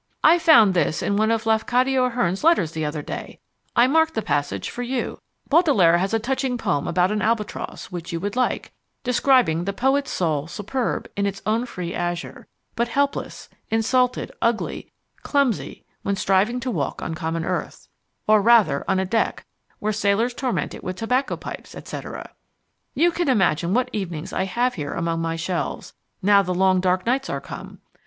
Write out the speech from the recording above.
I found this in one of Lafcadio Hearn's letters the other day I marked the passage for you Baudelaire has a touching poem about an albatross, which you would like describing the poet's soul superb in its own free azure but helpless, insulted, ugly, clumsy when striving to walk on common earth or rather, on a deck, where sailors torment it with tobacco pipes, etc. You can imagine what evenings I have here among my shelves, now the long dark nights are come!